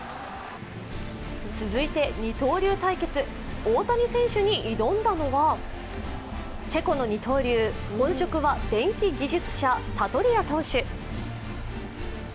続いて二刀流対決、大谷選手に挑んだのは、チェコの二刀流本職は電気技術者・サトリア投手。